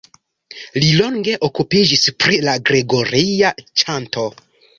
Li longe okupiĝis pri la gregoria ĉanto.